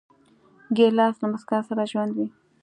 ګیلاس له موسکا سره ژوندی وي.